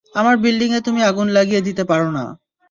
আমার বিল্ডিংয়ে তুমি আগুন লাগিয়ে দিতে পারো না!